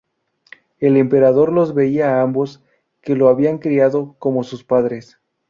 El emperador los veía a ambos, que lo habían criado, como sus padres.